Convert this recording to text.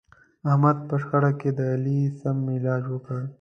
احمد په شخړه کې د علي سم علاج وکړ.